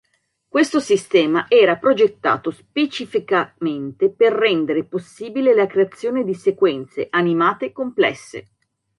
Questo sistema era progettato specificamente per rendere possibile la creazione di sequenze animate complesse.